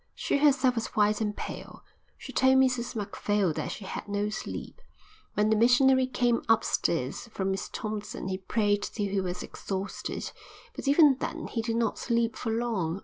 She herself was white and pale. She told Mrs Macphail that she had no sleep. When the missionary came upstairs from Miss Thompson he prayed till he was exhausted, but even then he did not sleep for long.